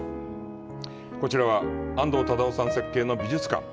こちらは、安藤忠雄さん設計の美術館。